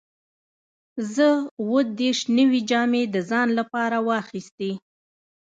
زه اووه دیرش نوې جامې د ځان لپاره واخیستې.